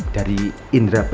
dari indra pencet